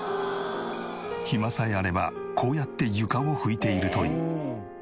暇さえあればこうやって床を拭いているという。